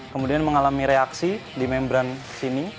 kemudian mengalami reaksi di membran sini